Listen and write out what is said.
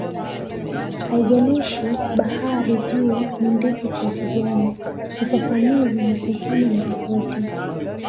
Haijalishi habari hiyo ni ndefu kiasi gani ufafanuzi ni sehemu ya ripoti